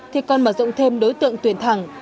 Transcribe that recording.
thì còn mở rộng thêm đối tượng tuyển thẳng